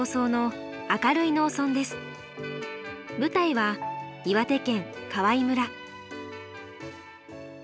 舞台は岩手県川井村。